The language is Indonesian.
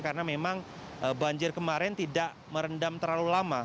karena memang banjir kemarin tidak merendam terlalu lama